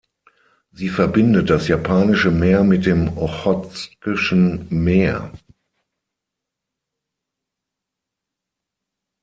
Sie verbindet das Japanische Meer mit dem Ochotskischen Meer.